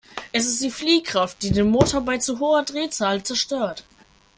Es ist die Fliehkraft, die den Motor bei zu hoher Drehzahl zerstört.